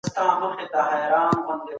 مخلوقات د خپل ژوند لپاره ځانګړي سیسټمونه لري.